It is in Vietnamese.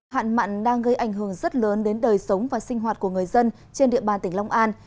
hạn mặn đang gây ảnh hưởng rất lớn đến đời sống và sinh hoạt của người dân trên địa bàn tỉnh long an